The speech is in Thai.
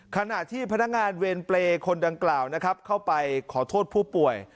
ขณะที่พนักงานเวรเปรย์คนดังกล่าวนะครับเข้าไปขอโทษผู้ป่วย